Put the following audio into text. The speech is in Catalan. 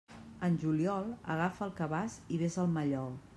En juliol, agafa el cabàs i vés al mallol.